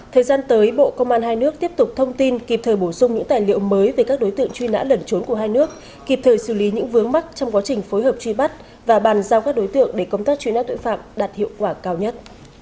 thời gian tới bộ công an hai nước tiếp tục thông tin kịp thời bổ sung những tài liệu mới về các đối tượng truy nã lẩn trốn của hai nước kịp thời xử lý những vướng mắc trong quá trình phối hợp truy bắt và bàn giao các đối tượng để công tác truy nát tội phạm đạt hiệu quả cao nhất